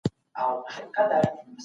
مړینه د فزیکي درد وسیله نه ده.